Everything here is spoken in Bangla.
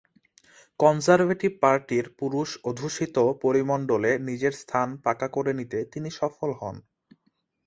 কনজারভেটিভ পার্টির পুরুষ অধ্যুষিত পরিমণ্ডলে নিজের স্থান পাকা করে নিতে তিনি সফল হন।